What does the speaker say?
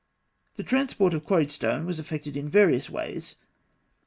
The transport of quarried stone was effected in various ways.